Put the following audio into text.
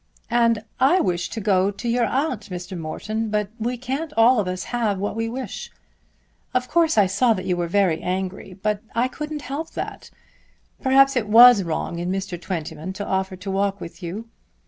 "And I wish to go to your aunt, Mr. Morton; but we can't all of us have what we wish. Of course I saw that you were very angry, but I couldn't help that. Perhaps it was wrong in Mr. Twentyman to offer to walk with you."